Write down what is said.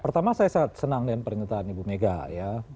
pertama saya sangat senang dengan pernyataan ibu mega ya